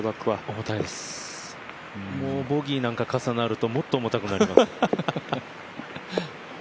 重いです、ボギーなんか重なるともっと重たくなります。